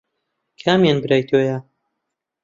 کامیان برای تۆیە؟